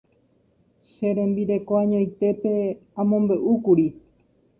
Che rembireko añoitépe amombe'úkuri.